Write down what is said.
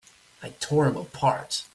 I tore him apart!